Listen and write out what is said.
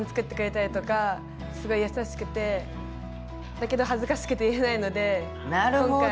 だけど恥ずかしくて言えないので。